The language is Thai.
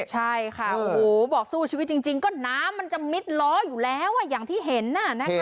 ใช่ค่ะโอ้โหบอกสู้ชีวิตจริงก็น้ำมันจะมิดล้ออยู่แล้วอย่างที่เห็น